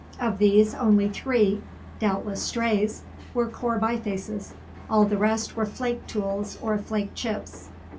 Of these, only three doubtless strays were core bifaces; all the rest were flake tools or flake chips.